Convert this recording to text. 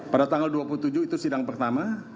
pada tanggal dua puluh tujuh itu sidang pertama